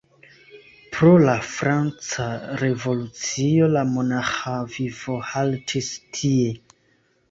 Pro la franca revolucio, la monaĥa vivo haltis tie.